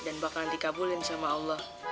dan bakalan dikabulin sama allah